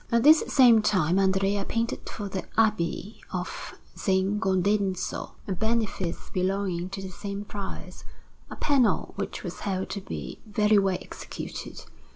At this same time Andrea painted for the Abbey of S. Godenzo, a benefice belonging to the same friars, a panel which was held to be very well executed.